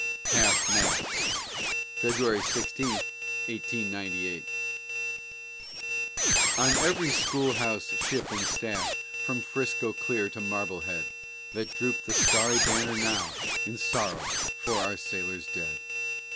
HALF MAST [February 16, 1898] On every schoolhouse, ship, and staff From 'Frisco clear to Marblehead, Let droop the starry banner now, In sorrow for our sailors dead.